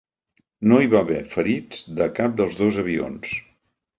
No hi va haver ferits de cap dels dos avions.